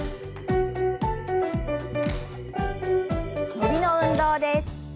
伸びの運動です。